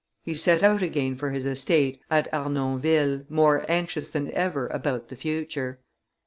He set out again for his estate at Arnonville, more anxious than ever about the future.